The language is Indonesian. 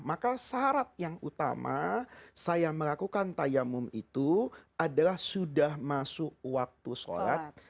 maka syarat yang utama saya melakukan tayamum itu adalah sudah masuk waktu sholat